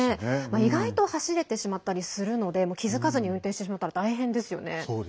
意外と走れてしまったりするので気付かずに運転してしまったら大変ですよね。